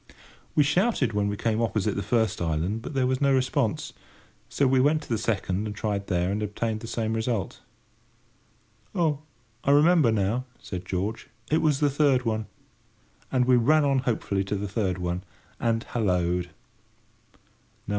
We shouted when we came opposite the first island, but there was no response; so we went to the second, and tried there, and obtained the same result. "Oh! I remember now," said George; "it was the third one." And we ran on hopefully to the third one, and hallooed.